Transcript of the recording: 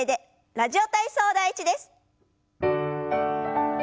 「ラジオ体操第１」です。